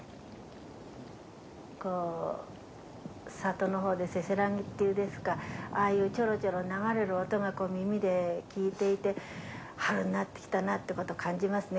こう里の方でせせらぎっていうですかああいうちょろちょろ流れる音が耳で聞いていて春になってきたなってことを感じますね。